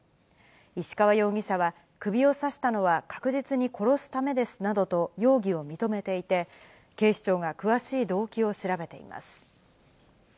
石川容疑者は、首を刺したのは確実に殺すためですなどと容疑を認めていて、警視庁が詳しい動機を調べています。